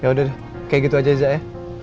ya udah deh kayak gitu aja zak ya